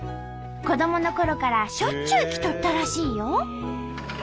子どものころからしょっちゅう来とったらしいよ。